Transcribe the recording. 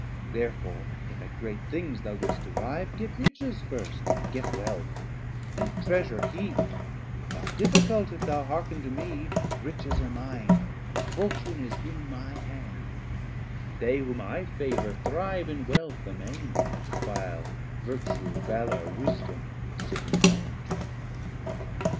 Therefore, if at great things thou wouldst arrive, Get Riches first, get Wealth, and Treasure heap, Not difficult, if thou hearken to me, Riches are mine, Fortune is in my hand; They whom I favour thrive in wealth amain, 430 While Virtue, Valour, Wisdom sit in want.